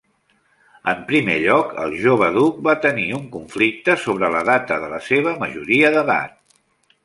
En primer lloc, el jove duc va tenir un conflicte sobre la data de la seva majoria d'edat.